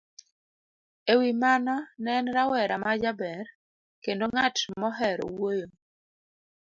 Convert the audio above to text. E wi mano, ne en rawera ma jaber kendo ng'at mohero wuoyo